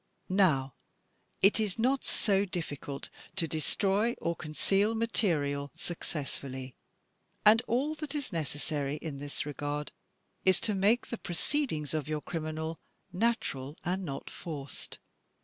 Now it is not so difficult to destroy or conceal material successfully, and all that is necessary in this regard is to make the proceedings of your criminal natural and not forced.